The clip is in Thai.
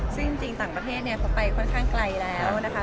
ซึ่งจริงต่างประเทศเขาไปค่อนข้างไกลแล้วนะคะ